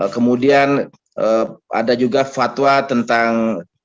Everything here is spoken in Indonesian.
kemudian ada juga fatwa tentang